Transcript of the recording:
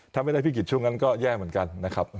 ถ้าไม่ได้พิกิจช่วงนั้นก็แย่เหมือนกันนะครับ